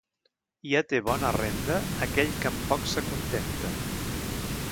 Ja té bona renda, aquell que amb poc s'acontenta.